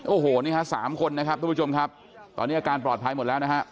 โอ้โหนี่ฮะสามคนนะครับทุกผู้ชมครับตอนนี้อาการปลอดภัยหมดแล้วนะฮะ